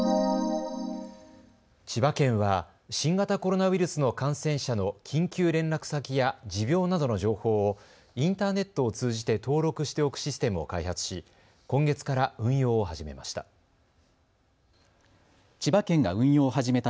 千葉県は新型コロナウイルスの感染者の緊急連絡先や持病などの情報をインターネットを通じて登録しておくシステムを開発し今月から運用を始めました。